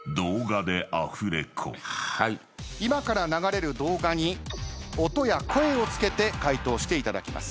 今から流れる動画に音や声を付けて回答していただきます。